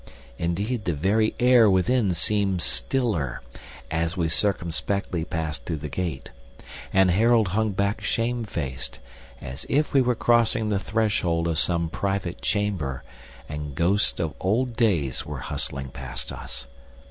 Indeed the very air within seemed stiller, as we circumspectly passed through the gate; and Harold hung back shamefaced, as if we were crossing the threshold of some private chamber, and ghosts of old days were hustling past us.